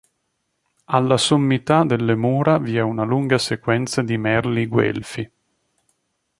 Alla sommità delle mura vi è una lunga sequenza di merli guelfi.